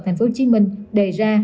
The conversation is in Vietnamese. tp hcm đề ra